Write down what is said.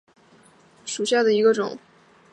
钝叶黑面神为大戟科黑面神属下的一个种。